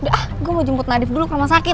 udah gue mau jemput nadif dulu ke rumah sakit